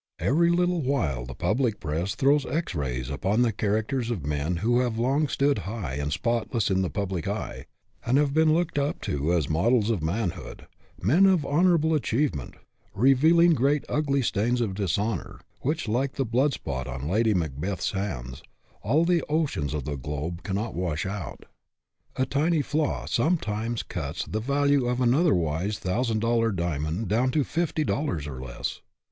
Every little while the public press throws X rays upon the characters of men who have long stood high and spotless in the public eye, and have been looked up to as models of man hood, men of honorable achievement reveal ing great ugly stains of dishonor, which, like 225 226 SUCCESS WITH A FLAW the blood spot on Lady Macbeth's hands, all the oceans of the globe cannot wash out. A tiny flaw sometimes cuts the value of an otherwise thousand dollar diamond down to fifty dollars or less.